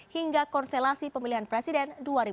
hingga konstelasi pemilihan presiden dua ribu sembilan belas